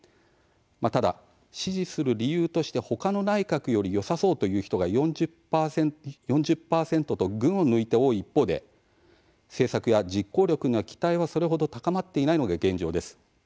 ただ、支持する理由としてほかの内閣よりよさそうという人が４０％と群を抜いて多い一方で政策や実行力には期待はそれほど高まっていないのが現状です。